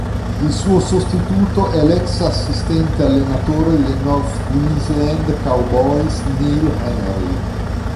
Il suo sostituto é l'ex assistente allenatore dei North Queensland Cowboys Neil Henry.